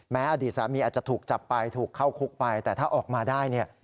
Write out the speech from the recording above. อดีตสามีอาจจะถูกจับไปถูกเข้าคุกไปแต่ถ้าออกมาได้เนี่ย